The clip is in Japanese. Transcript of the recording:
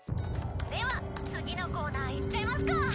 では次のコーナーいっちゃいますか。